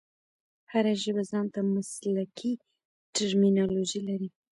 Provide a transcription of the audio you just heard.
هره ژبه ځان ته مسلکښي ټرمینالوژي لري.